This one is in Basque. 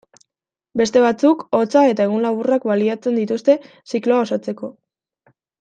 Beste batzuk, hotza eta egun laburrak baliatzen dituzte zikloa osatzeko.